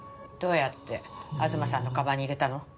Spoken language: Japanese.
どうやって東さんの鞄に入れたの？